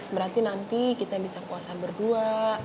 berarti nanti kita bisa puasa berdua